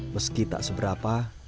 meski tak seberapa